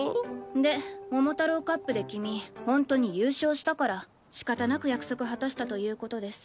で桃太郎カップで君ホントに優勝したから仕方なく約束果たしたという事です。